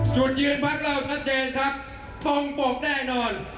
จุดยืนพักเราชัดเจนครับตรงปกแน่นอน